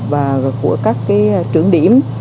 và của các trưởng điểm